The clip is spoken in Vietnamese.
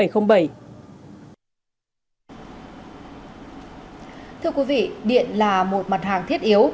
thưa quý vị điện là một mặt hàng thiết yếu